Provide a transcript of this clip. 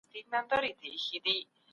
موږ بايد د سياست علمي اړخ ته وګورو.